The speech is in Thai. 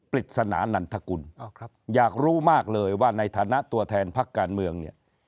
ปริศนานันทกุลอยากรู้มากเลยว่าในฐานะตัวแทนพักการเมืองเนี่ย